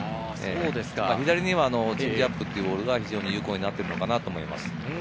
左にはチェンジアップというボールが非常に有効になってるかと思います。